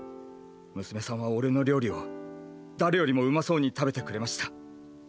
娘さんは俺の料理を誰よりもうまそうに食べてくれました。